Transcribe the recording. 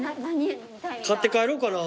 買って帰ろうかな。